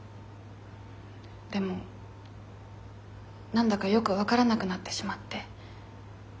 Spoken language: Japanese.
でも何だかよく分からなくなってしまって。